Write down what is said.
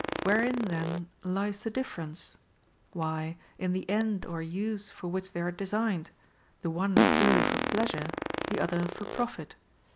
Wherein then lies the difference] Why, in the end or use for which they are designed, the one purely for pleasure the other for profit.